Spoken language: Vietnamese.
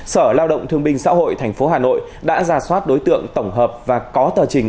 sở lao động thương binh xã hội tp hà nội đã ra soát đối tượng tổng hợp và có tờ trình